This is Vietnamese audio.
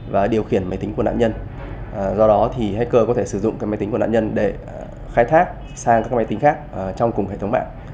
và điều khiển máy tính của nạn nhân do đó thì hacker có thể sử dụng máy tính của nạn nhân để khai thác sang các máy tính khác trong cùng hệ thống mạng